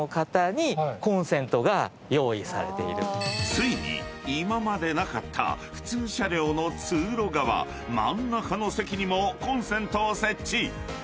［ついに今までなかった普通車両の通路側真ん中の席にもコンセントを設置］